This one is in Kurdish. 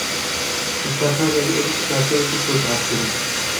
Li Sakaryayê êrişî karkerekî Kurd hat kirin.